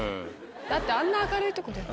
だってあんな明るいとこで。